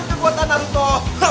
dengan kekuatan naruto